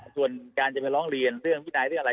ส่วนการจะไปร้องเรียนเรื่องวินัยเรื่องอะไร